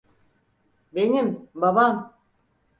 Benim, baban.